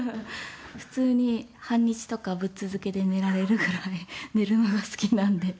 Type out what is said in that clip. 普通に半日とかぶっ続けで寝られるぐらい寝るのが好きなので。